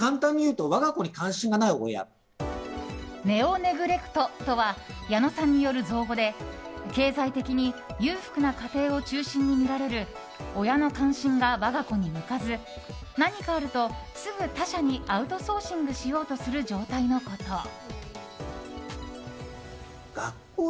ネオ・ネグレクトとは矢野さんによる造語で経済的に裕福な家庭を中心に見られる親の関心が我が子に向かず何かあるとすぐ他者にアウトソーシングしようとする状態のこと。